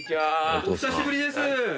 お久しぶりです。